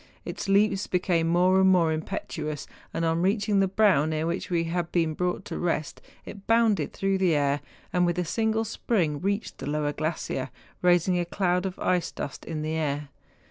Its leaps became more and more impetuous, and on reaching the brow near which we had been brought to rest it bounded through the air, and with a single spring reached the lower glacier, raising a cloud of ice dust in the air.